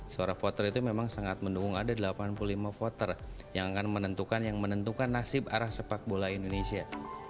suara voter itu memang sangat mendukung ada delapan puluh lima voter yang akan menentukan yang menentukan nasib arah sepak bola indonesia